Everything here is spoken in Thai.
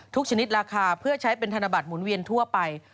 ชนิดราคาเพื่อใช้เป็นธนบัตรหมุนเวียนทั่วไป